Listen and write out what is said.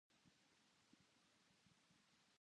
春よ来い